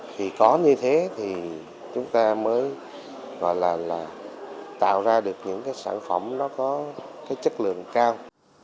thì có như thế thì chúng ta mới gọi là tạo ra được những cái sản phẩm nó có cái chất lượng cao